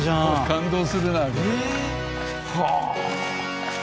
感動するなこれ。